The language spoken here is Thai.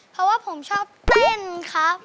เพราะว่าผมชอบเต้นครับ